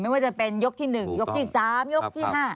ว่าจะเป็นยกที่๑ยกที่๓ยกที่๕